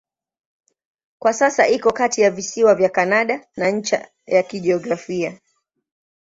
Kwa sasa iko kati ya visiwa vya Kanada na ncha ya kijiografia.